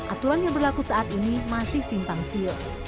aturan yang berlaku saat ini masih simpang siur